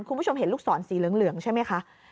คุณผู้ชมเห็นลูกศรสีเหลืองใช่ไหมคะ